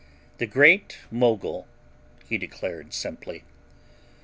"The Great Mogul," he declared simply.